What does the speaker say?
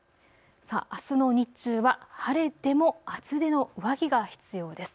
あすの日中は晴れても厚手の上着が必要です。